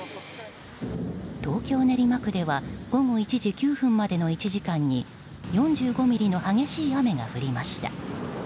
東京・練馬区では午後１時９分までの１時間に４５ミリの激しい雨が降りました。